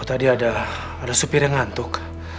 tadi ada supir yang ngantuk